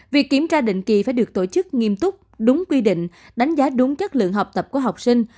việc kiểm tra định kỳ phải được tổ chức nghiêm túc đúng quy định đánh giá đúng chất lượng học tập của học sinh